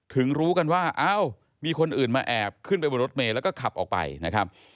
รู้กันว่าอ้าวมีคนอื่นมาแอบขึ้นไปบนรถเมย์แล้วก็ขับออกไปนะครับ